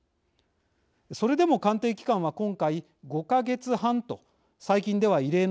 それでも鑑定期間は今回５か月半と最近では異例の長さです。